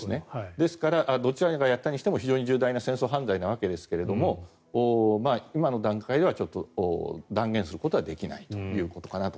ですからどちらがやったにしても非常に重大な戦争犯罪なわけですけど今の段階ではちょっと断言することはできないということかなと。